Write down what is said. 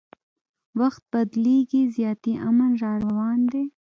وخت بدلیږي زیاتي امن راروان دی